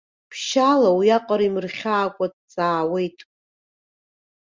Ԥшьаала, уиаҟара имырхьаакәа дҵаауеит.